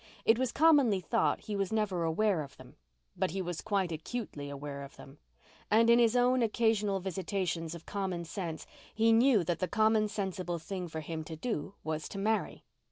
It was commonly thought he was never aware of them. But he was quite acutely aware of them. And in his own occasional visitations of common sense he knew that the common sensible thing for him to do was to marry.